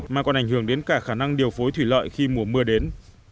mà còn ảnh hưởng đến cả khả năng điều phối thủy lợi khi mùa mưa đến